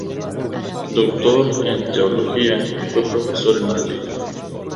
Doctor en teología, fue profesor en Madrid.